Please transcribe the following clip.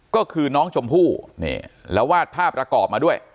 ก็คือน้องชมพู่นี่แล้ววาดภาพประกอบมาด้วย